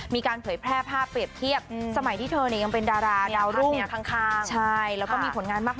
ในการเผยแพร่ภาพเปรียบเทียบสมัยที่เธอยังเป็นดาราด่าวรุ่ง